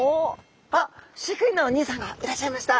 あっ飼育員のおにいさんがいらっしゃいました。